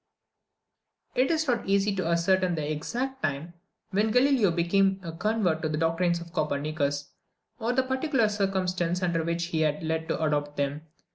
It is not easy to ascertain the exact time when Galileo became a convert to the doctrines of Copernicus, or the particular circumstances under which he was led to adopt them.